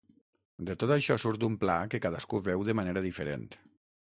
De tot això surt un pla que cadascú veu de manera diferent.